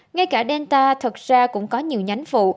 ngay cả delta thật ra cũng có nhiều nhánh phụ